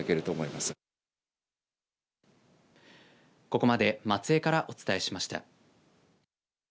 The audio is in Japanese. ここまで松江からお伝えしました。